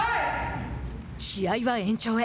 試合は延長へ。